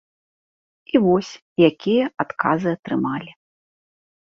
І вось, якія адказы атрымалі.